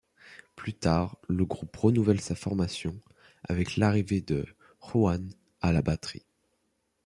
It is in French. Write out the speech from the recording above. Plus tard, le groupe renouvelle sa formation avec l'arrivée de, Juan à la batterie.